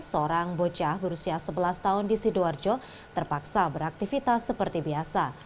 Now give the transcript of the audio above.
seorang bocah berusia sebelas tahun di sidoarjo terpaksa beraktivitas seperti biasa